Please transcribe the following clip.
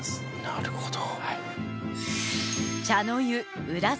なるほど！